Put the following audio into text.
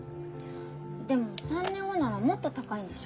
でも３年後ならもっと高いんでしょ？